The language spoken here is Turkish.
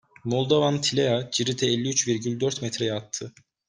Moldovan-Tilea ciriti elli üç virgül dört metreye attı.